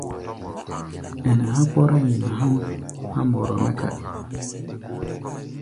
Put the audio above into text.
Ɛnɛ há̧ kpɔ́rá nyina há̧ʼm há̧ mbɔrɔ mɛ́ kaɗi.